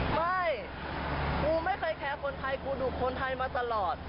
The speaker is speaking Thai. ไม่มึงไม่เคยแค้งคนไทยมึงดูคนไทยมาตลอด